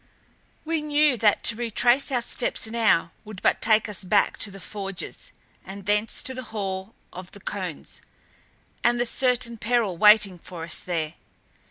We knew that to retrace our steps now would but take us back to the forges and thence to the hall of the Cones and the certain peril waiting for us there.